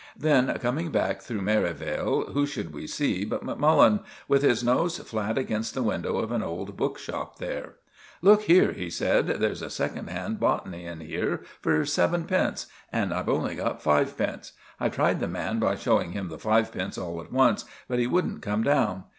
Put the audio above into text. Then, coming back through Merivale, who should we see but Macmullen, with his nose flat against the window of an old book shop there! "Look here," he said, "there's a second hand botany in here for sevenpence, and I've only got fivepence. I tried the man by showing him the fivepence all at once, but he wouldn't come down.